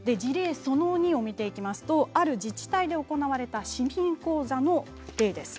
その２を見ていきますとある自治体で行われた市民講座の例です。